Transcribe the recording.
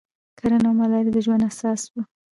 کرنه او مالداري د ژوند اساس و